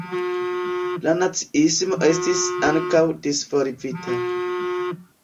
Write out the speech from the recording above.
La naciismo estis ankaŭ disvolvita.